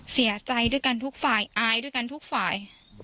เสียใจด้วยกันทุกฝ่ายอายด้วยกันทุกฝ่าย